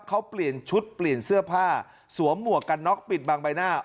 เขาเปลี่ยนชุดเปลี่ยนเสื้อผ้าสวมหมวกกันน็อกปิดบางใบหน้า